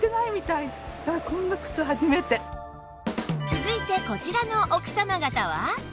続いてこちらの奥様方は？